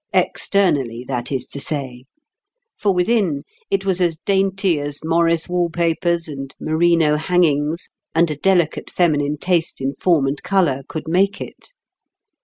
Externally that is to say; for within it was as dainty as Morris wall papers and merino hangings and a delicate feminine taste in form and colour could make it.